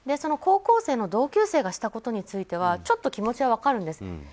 高校生の同級生がしたことについてはちょっと気持ちは分かるんです。